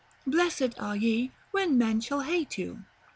'Blessed are ye when men shall hate you.'